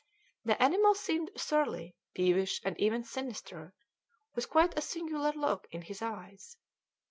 The animal seemed surly, peevish, and even sinister, with quite a singular look in his eyes.